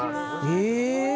え！